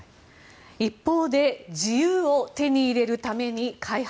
一方で自由を手に入れるために開発。